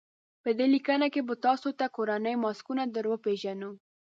په دې لیکنه کې به تاسو ته کورني ماسکونه در وپېژنو.